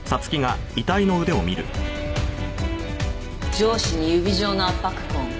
上肢に指状の圧迫痕。